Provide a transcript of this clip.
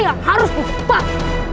yang harus dikepat